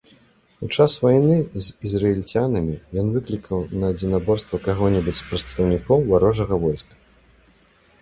У час вайны з ізраільцянамі ён выклікаў на адзінаборства каго-небудзь з прадстаўнікоў варожага войска.